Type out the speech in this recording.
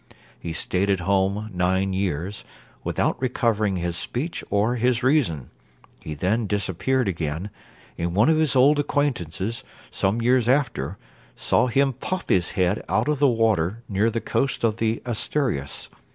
He stayed at home nine years, without recovering his speech or his reason: he then disappeared again; and one of his old acquaintance, some years after, saw him pop his head out of the water near the coast of the Asturias.